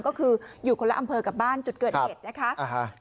ก็คืออยู่คนละอำเภอกับบ้านจุดเกิดเหตุนะคะ